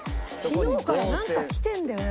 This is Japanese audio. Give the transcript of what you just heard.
昨日からなんかきてるんだよね